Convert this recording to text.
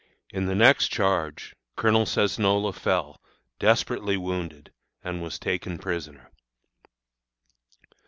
In the next charge Colonel Cesnola fell, desperately wounded, and was taken prisoner.